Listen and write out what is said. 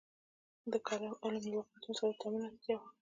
د کلام علم له واقعیتونو سره د تعامل نتیجه وه.